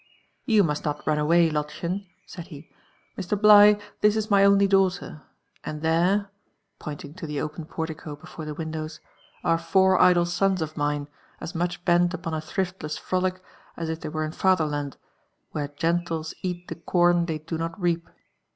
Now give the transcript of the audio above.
"You must not run away, Lottchen," said he. Mr. Bligh, this is my only daughter ; and there,'' pointing to the open portico before I 4f LIFE AND ADVENTURES OP the windows, ''are four idle sons of mine, as much bent upon a thrift* less frolic as if Ihey were in I'alherland, wIutc genllcs eallhecom Ihey do not reap.